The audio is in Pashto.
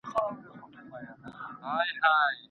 هغه کسان مخکي ځي چي د خپل هدف لپاره ډېر زیار باسي.